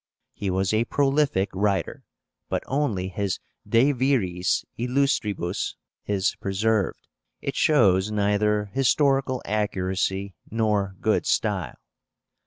He was a prolific writer, but only his De Viris Illustribus is preserved. It shows neither historical accuracy nor good style.